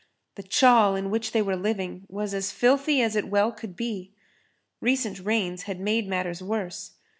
The chawl in which they were living was as filthy as it well could be. Recent rains had made matters worse.